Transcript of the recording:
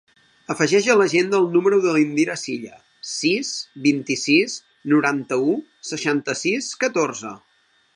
Afegeix a l'agenda el número de l'Indira Sylla: sis, vint-i-sis, noranta-u, seixanta-sis, catorze.